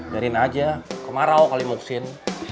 biarin aja kemarau kalau muxin